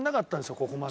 ここまで。